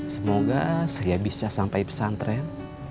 semoga saya bisa sampai pesantren